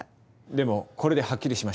でもこれではっきりしました。